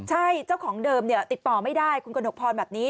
ใช่เจ้าของเดิมติดต่อไม่ได้คุณกระหนกพรแบบนี้